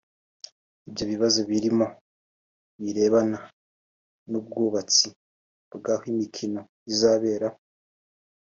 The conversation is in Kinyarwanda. Ibyo bibazo birimo ibirebana n'ubwubatsi bw'aho imikino izabera